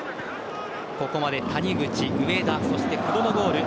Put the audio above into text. ここまで谷口、上田久保のゴール。